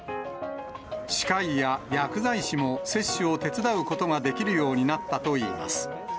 歯科医や薬剤師も接種を手伝うことができるようになったといいます。